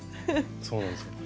そうなんですよ。